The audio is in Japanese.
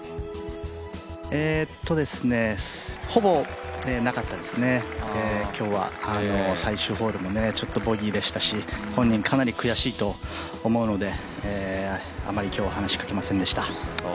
ほぼなかったですね、今日は最終ホールもボギーでしたし本人、かなり悔しいと思うのであまり今日は話しかけませんでした。